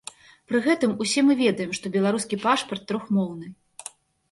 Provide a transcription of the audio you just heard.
Пры гэтым, усе мы ведаем, што беларускі пашпарт трохмоўны.